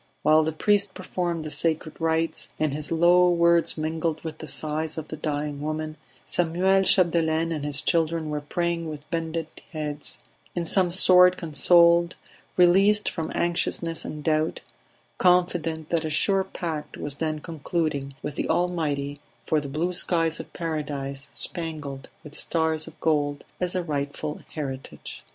While the priest performed the sacred rites, and his low words mingled with the sighs of the dying woman, Samuel Chapdelaine and his children were praying with bended heads; in some sort consoled, released from anxiousness and doubt, confident that a sure pact was then concluding with the Almighty for the blue skies of Paradise spangled with stars of gold as a rightful heritage.